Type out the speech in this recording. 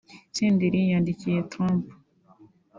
Senderi yandikiye Trump